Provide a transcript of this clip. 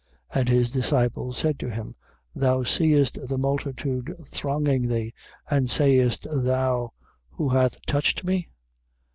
5:31. And his disciples said to him: Thou seest the multitude thronging thee, and sayest thou who hath touched me?